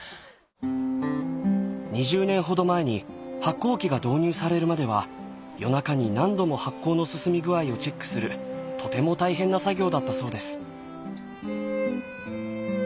２０年ほど前に発酵機が導入されるまでは夜中に何度も発酵の進み具合をチェックするとても大変な作業だったそうです。